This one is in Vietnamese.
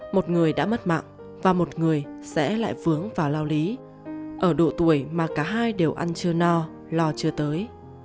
một người đã mất mạng và một người sẽ lại vướng vào lao lý ở độ tuổi mà cả hai đều ăn chưa no lo chưa tới